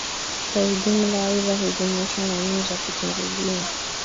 Kwa ujumla, aidha, hujumuisha nomino za kitenzi-jina.